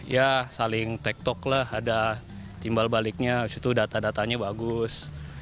ya saling tek tok lah ada timbal baliknya data datanya bagus